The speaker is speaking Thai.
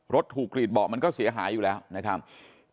ถูกกรีดเบาะมันก็เสียหายอยู่แล้วนะครับ